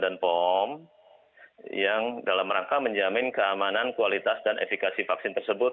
yang pertama adalah untuk menggunakan vaksin yang terkait dengan keamanan kualitas dan efekasi vaksin tersebut